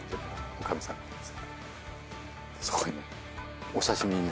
女将さんがそこにね。